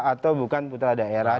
atau bukan putra daerah